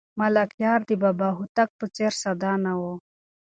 ملکیار د بابا هوتک په څېر ساده نه و.